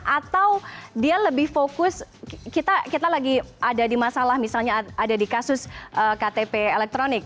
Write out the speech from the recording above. atau dia lebih fokus kita lagi ada di masalah misalnya ada di kasus ktp elektronik